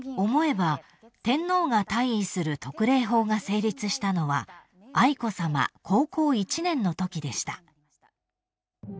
［思えば天皇が退位する特例法が成立したのは愛子さま高校１年のときでした］